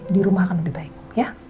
di rumah akan lebih baik ya